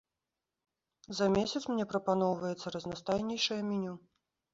За месяц мне прапаноўваецца разнастайнейшае меню.